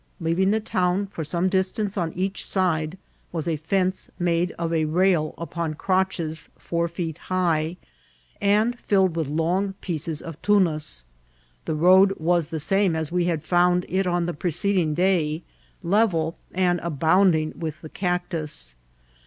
Leaving the town, for some dis tance on each side was a fence made of a rail upon crotches four feet high, and filled with long pieces of tmios. The road was the same as we had found it on the preceding day, level, and abounding with the cac tus.